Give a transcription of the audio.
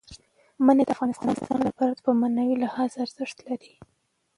منی د افغانانو لپاره په معنوي لحاظ ارزښت لري.